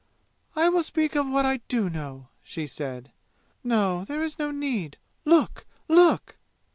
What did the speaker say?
"I will speak of what I do know," she said. "No, there is no need. Look! Look!"